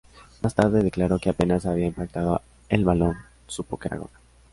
Más tarde declaró que apenas había impactado el balón supo que era gol.